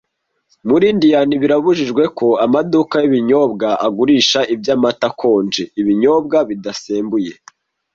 Muri Indiana birabujijwe ko amaduka y’ibinyobwa agurisha ibyo amata akonje / ibinyobwa bidasembuye